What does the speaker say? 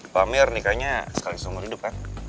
pak amir nikahnya sekali seumur hidup ya